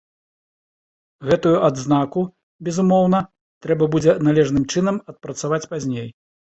Гэтую адзнаку, безумоўна, трэба будзе належным чынам адпрацаваць пазней.